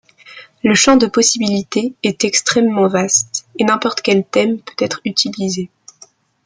Le champ de possibilités est extrêmement vaste et n'importe quel thème peut être utilisé.